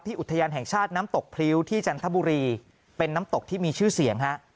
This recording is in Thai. อุทยานแห่งชาติน้ำตกพริ้วที่จันทบุรีเป็นน้ำตกที่มีชื่อเสียงฮะ